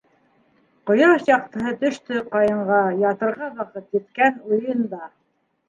Ҡояш яҡтыһы төштө кыянға - Ятырға ваҡыт, еткән уйында.